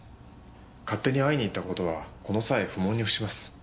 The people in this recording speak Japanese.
勝手に会いに行った事はこの際不問に付します。